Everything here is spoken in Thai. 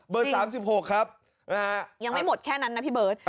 ๓๖ครับยังไม่หมดแค่นั้นนะพี่เบิร์ต